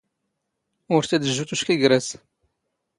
ⵓⵔ ⵜⴰ ⴷ ⵊⵊⵓ ⵜⵓⵛⴽⵉ ⴳⵔⴰⵙ.